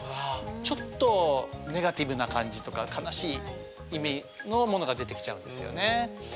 ちょっとネガティブな感じとか悲しい意味のものが出てきちゃうんですよね。